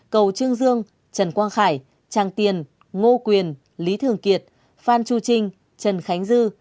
cầu trương dương trần quang khải tràng tiền ngô quyền lý thường kiệt phan chu trinh trần khánh dư